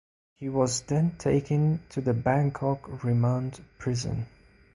He was then taken to the Bangkok Remand Prison.